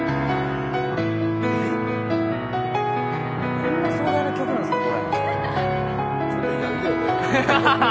こんな壮大な曲なんですか？